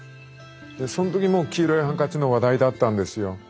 でその時も「黄色いハンカチ」の話題だったんですよ。